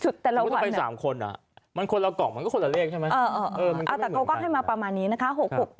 จุดแต่ละวันนะมันคนละกล่องมันก็คนละเลขใช่ไหมมันก็ไม่เหมือนกันเออแต่เขาก็ให้มาประมาณนี้นะคะ